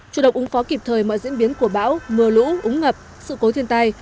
chủ động ứng phó kịp thời mọi diễn biến của bão mưa lũ úng ngập sự cố thiên tai